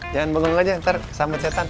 jangan bangun aja ntar samet setan